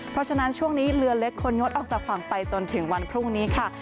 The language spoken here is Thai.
เพราะฉะนั้นช่วงนี้เรือเล็กควรงดออกจากฝั่งไปจนถึงวันพรุ่งนี้ค่ะ